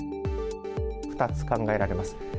２つ考えられます。